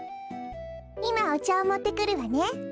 いまおちゃをもってくるわね。